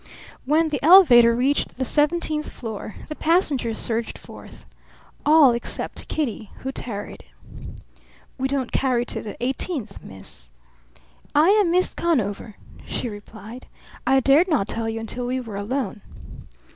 When the elevator reached the seventeenth floor, the passengers surged forth. All except Kitty, who tarried. "We don't carry to the eighteenth, miss. "I am Miss Conover," she replied. "I dared not tell you until we were alone."